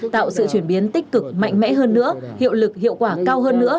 tạo sự chuyển biến tích cực mạnh mẽ hơn nữa hiệu lực hiệu quả cao hơn nữa